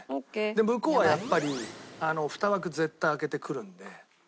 で向こうはやっぱり２枠絶対開けてくるんで。